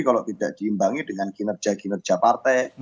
kalau tidak diimbangi dengan kinerja kinerja partai